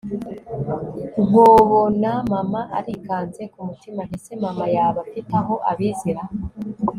nkobona mama arikanze, kumutima nti ese mama yaba afite aho abizi ra